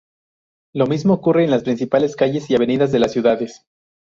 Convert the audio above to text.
Lo mismo ocurre en las principales calles y avenidas de las ciudades.